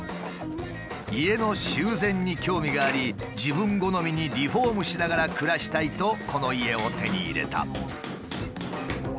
家の修繕に興味があり自分好みにリフォームしながら暮らしたいとこの家を手に入れた。